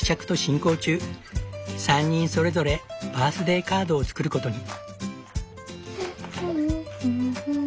３人それぞれバースデーカードを作ることに。